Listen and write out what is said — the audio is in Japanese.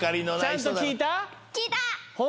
聞いた！